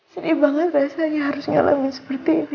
sendiri banget rasanya harus ngalamin seperti ini